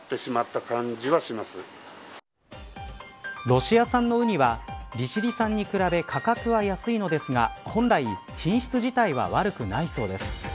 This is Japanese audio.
ロシア産のウニは利尻産に比べ価格は安いのですが本来、品質自体は悪くないそうです。